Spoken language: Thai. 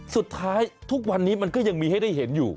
ทุกวันนี้มันก็ยังมีให้ได้เห็นอยู่